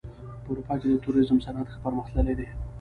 په اروپا کې د توریزم صنعت ښه پرمختللی دی.